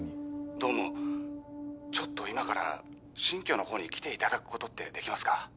どうもちょっと今から新居のほうに来ていただくことってできますか？